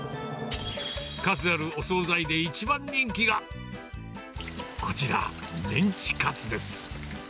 数あるお惣菜で一番人気が、こちら、メンチカツです。